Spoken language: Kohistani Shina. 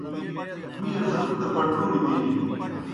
می ڙُوک دہ بَٹُوݨیْ بِلِن۔